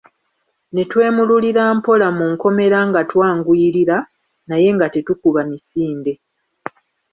Ne twemululira mpola mu nkomera nga twanguyirira naye nga tetukuba misinde.